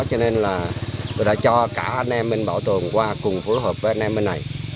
cho nên là tôi đã cho cả anh em bên bảo tồn qua cùng phối hợp với anh em bên này